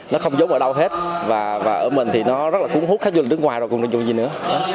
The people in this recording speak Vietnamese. nó không giống ở đâu hết và ở mình thì nó rất là cuốn hút khách du lịch nước ngoài rồi cũng không giống gì nữa